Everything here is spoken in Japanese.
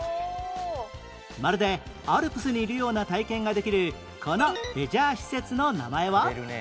まるでアルプスにいるような体験ができるこのレジャー施設の名前は？